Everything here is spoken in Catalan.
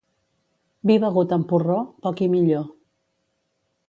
Vi begut amb porró, poc i millor.